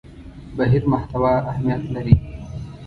بهیر محتوا اهمیت لري.